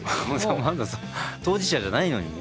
当事者じゃないのにね。